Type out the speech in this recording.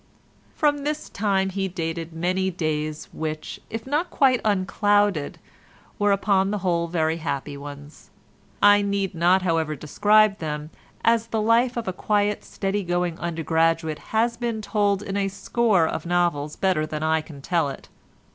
From this time he dated many days which, if not quite unclouded, were upon the whole very happy ones. I need not however describe them, as the life of a quiet steady going undergraduate has been told in a score of novels better than I can tell it.